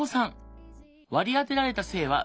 割り当てられた性は「女性」。